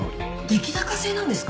出来高制なんですか！？